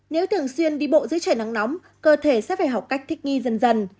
nếu thường xuyên đi bộ dưới trời nắng nóng cơ thể sẽ phải học cách thích nghi dần dần